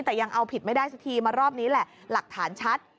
แต่ยังเอาผิดไม่ได้สักทีมารอบนี้แหละหลักฐานชัด